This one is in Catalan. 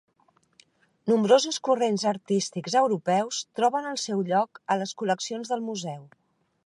Nombrosos corrents artístics europeus troben el seu lloc a les col·leccions del museu.